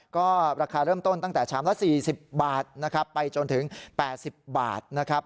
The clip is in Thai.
ก็ราคาเริ่มต้นตั้งแต่ชามละ๔๐บาทนะครับไปจนถึง๘๐บาทนะครับ